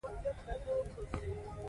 افغانان به د ملالۍ یاد لمانځلې وي.